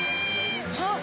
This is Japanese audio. あっ！